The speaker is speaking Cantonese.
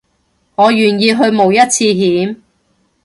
我願意去冒一次險